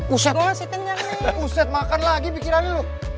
uset makannya lagi pikirannya lu